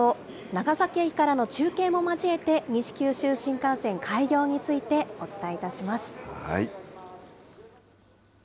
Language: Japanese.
長崎駅からの中継も交えて、西九州新幹線開業について、お伝えいたします。